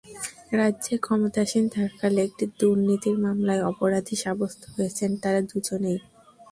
রাজ্যে ক্ষমতাসীন থাকাকালে একটি দুর্নীতির মামলায় অপরাধী সাব্যস্ত হয়েছেন তাঁরা দুজনেই।